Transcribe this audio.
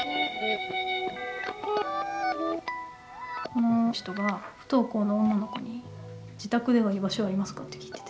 この人が不登校の女の子に「自宅では居場所有りますか？」って聞いてて。